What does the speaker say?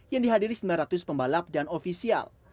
yang dihadiri sembilan ratus pembalap dan ofisial